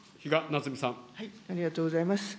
ありがとうございます。